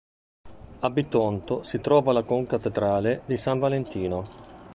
A Bitonto si trova la concattedrale di San Valentino.